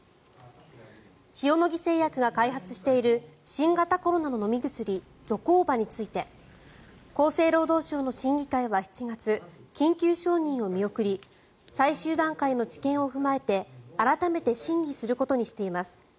塩野義製薬が開発している新型コロナの飲み薬ゾコーバについて厚生労働省の審議会は７月緊急承認を見送り最終段階の治験を踏まえて改めて審議することにしています。